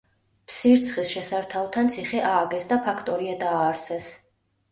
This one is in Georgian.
ფსირცხის შესართავთან ციხე ააგეს და ფაქტორია დააარსეს.